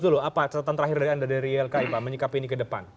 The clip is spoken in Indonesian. itu loh apa catatan terakhir dari anda dari ilki pak menyikap ini ke depan